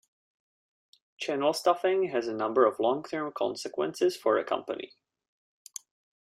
Channel stuffing has a number of long-term consequences for a company.